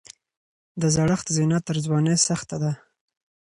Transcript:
د زړښت زینه تر ځوانۍ سخته ده.